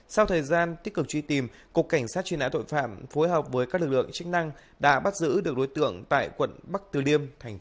xin chào và hẹn gặp lại